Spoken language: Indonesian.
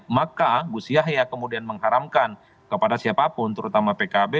maka gus yahya kemudian mengharamkan kepada siapapun terutama pkb